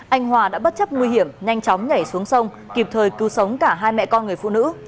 anh hòa đã bất chấp nguy hiểm nhanh chóng nhảy xuống sông kịp thời cứu sống cả hai mẹ con người phụ nữ